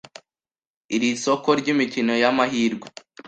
iri soko ry'imikino y'amahirwe